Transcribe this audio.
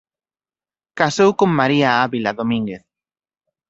Casou con María Avila Domínguez.